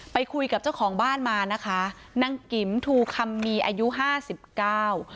ไปคุยกับเจ้าของบ้านมานะคะนางกิ๋มทูคำมีอายุห้าสิบเก้า